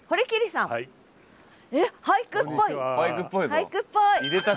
俳句っぽいぞ。